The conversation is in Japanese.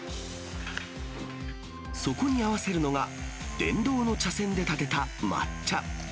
そこに合わせるのが、電動の茶せんでたてた抹茶。